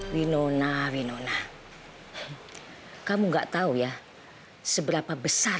wino nona kamu nggak tahu ya seberapa besar